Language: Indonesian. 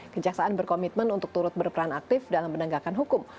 kejaksaan berkomitmen untuk turut berperan aktif dalam penegakan hukum